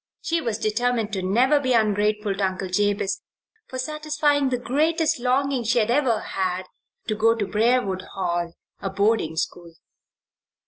She was determined to never be ungrateful to Uncle Jabez for satisfying the greatest longing she had ever had to go to Briarwood Hall, a boarding school.